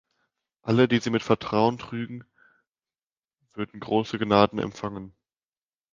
Alle, die sie mit Vertrauen trügen, würden große Gnaden empfangen.